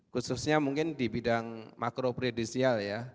khususnya mungkin di bidang makro predisial ya